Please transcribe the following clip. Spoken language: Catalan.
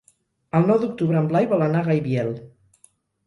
El nou d'octubre en Blai vol anar a Gaibiel.